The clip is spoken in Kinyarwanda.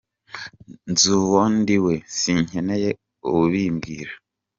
Nzuwondiwe sinkeneye ubibwira.